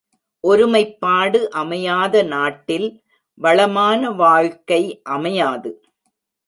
ஒருமைப்பாடு அமையாத நாட்டில் வளமான வாழ்க்கை அமையாது.